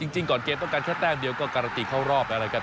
จริงก่อนเกมต้องการแค่แต้มเดียวก็การันตีเข้ารอบแล้วนะครับ